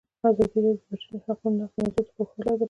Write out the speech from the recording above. ازادي راډیو د د بشري حقونو نقض موضوع تر پوښښ لاندې راوستې.